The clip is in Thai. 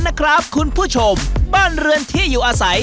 นะครับคุณผู้ชมบ้านเรือนที่อยู่อาศัย